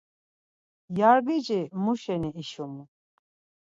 Yargiç̌i muşeni işumu?